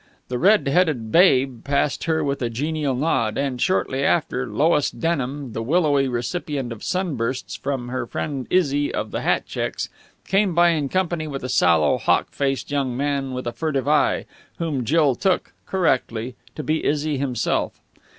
The red headed Babe passed her with a genial nod, and, shortly after, Lois Denham, the willowy recipient of sunbursts from her friend Izzy of the hat checks, came by in company with a sallow, hawk faced young man with a furtive eye, whom Jill took correctly to be Izzy himself.